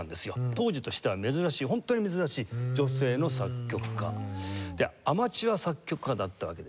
当時としては珍しいホントに珍しい女性の作曲家。でアマチュア作曲家だったわけですね。